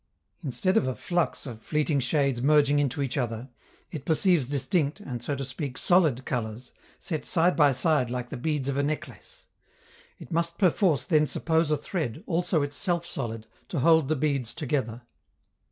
Instead of a flux of fleeting shades merging into each other, it perceives distinct and, so to speak, solid colors, set side by side like the beads of a necklace; it must perforce then suppose a thread, also itself solid, to hold the beads together.